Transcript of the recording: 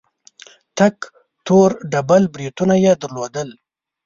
تک تور ډبل برېتونه يې درلودل.